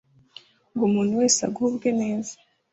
Ngo umuntu wese agubwe neza